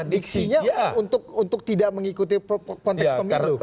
diksinya untuk tidak mengikuti konteks pemilu